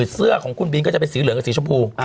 เสื้อของคุณบินก็จะเป็นสีเหลืองกับสีชมพู